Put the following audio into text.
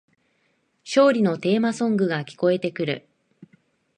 勝利のテーマソングが聞こえてくる